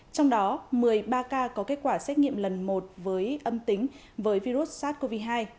trong đó một mươi ba ca có kết quả xét nghiệm lần một với âm tính với virus sars cov hai